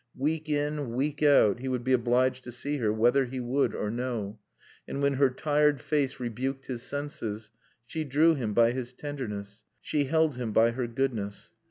Week in, week out, he would be obliged to see her whether he would or no. And when her tired face rebuked his senses, she drew him by her tenderness; she held him by her goodness.